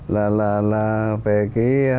là là là về cái